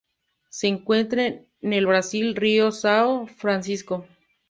Se encuentra en el Brasil: río São Francisco.